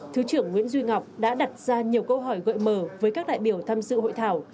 thứ trưởng nguyễn duy ngọc đã đặt ra nhiều câu hỏi gợi mở với các đại biểu tham dự hội thảo